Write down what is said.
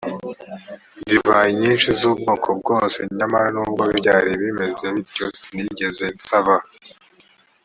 divayi nyinshi z’ubwoko bwose. nyamara nubwo byari bimeze bityo sinigeze nsaba